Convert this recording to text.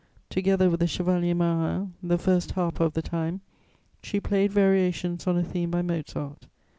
Together with the Chevalier Marin, the first harper of the time, she played variations on a theme by Mozart.